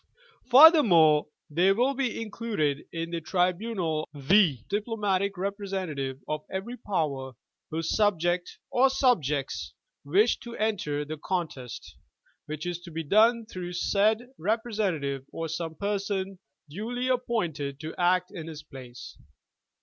Furthermore, there will be in(3luded in the tribunal the diplo matic representative of every power whose subject or subjects wish to enter the contest, which is to be done through said repre sentative or some person duly appointed to act in his place.